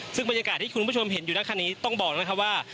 ซึ่งบรรยากาศที่คุณผู้ชมเห็นอยู่ในขณะนี้ต้องบอกนะครับว่า